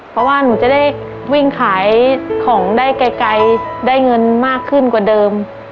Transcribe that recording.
เพราะว่าหนูจะได้วิ่งขายของได้ไกลได้เงินมากขึ้นกว่าเดิม